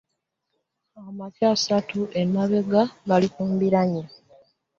Emyaka esatu emabega baali ku mbiranye.